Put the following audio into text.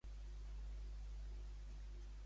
Tenia molts diners Èsquines?